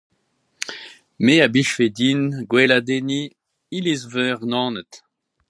Me a blijfe din gweladenniñ iliz-veur Naoned.